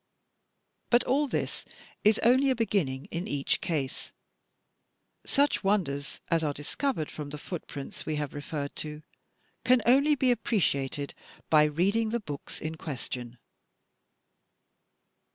But all this is only a beginning in each case. Such wonders as are discovered from the footprints we have referred to can only be appreciated by reading the books in question.